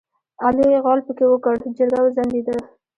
علي غول پکې وکړ؛ جرګه وځنډېده.